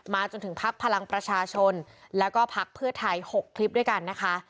จนถึงพักพลังประชาชนแล้วก็พักเพื่อไทย๖คลิปด้วยกันนะคะ